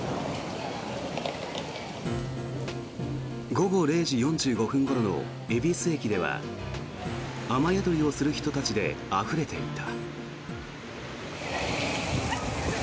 午後０時４５分ごろの恵比寿駅では雨宿りをする人たちであふれていた。